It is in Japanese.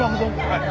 はい。